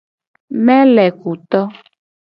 Melekuto.